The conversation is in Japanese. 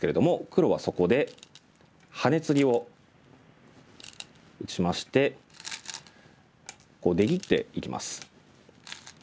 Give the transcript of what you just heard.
黒はそこでハネツギを打ちまして出切っていきます。